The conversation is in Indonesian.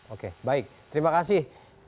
oke baik terima kasih